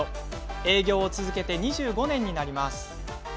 営業を続けて２５年になります。